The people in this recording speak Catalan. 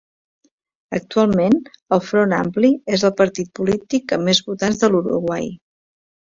Actualment, el Front Ampli és el partit polític amb més votants a l'Uruguai.